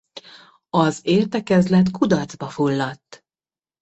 Az értekezlet kudarcba fulladt.